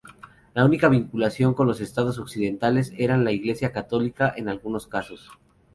La única vinculación con los estados occidentales era la Iglesia católica en algunos casos.